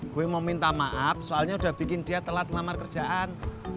gue mau minta maaf soalnya udah bikin dia telat melamar kerjaan